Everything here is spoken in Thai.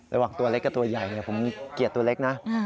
ตัวเล็กกับตัวใหญ่ผมเกลียดตัวเล็กนะ